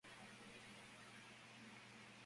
Licht estudió cine en el Vassar College de Nueva York.